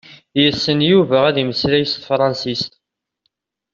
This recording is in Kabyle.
Yessen Yuba ad yemmeslay s tefransist.